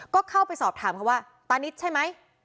ก็เข้าไปสอบถามเขาว่าตานิดใช่ไหม